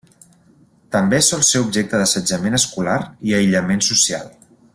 També sol ser objecte d'assetjament escolar i aïllament social.